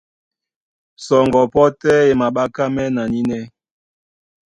Sɔŋgɔ pɔ́ tɛ́ e maɓákámɛ́ na nínɛ́.